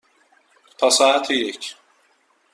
تا ساعت یک.